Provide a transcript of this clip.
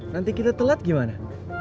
nanti kita telat gimana